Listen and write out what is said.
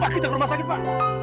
pak kita ke rumah sakit pak